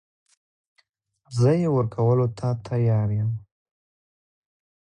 زه يې ورکولو ته تيار يم .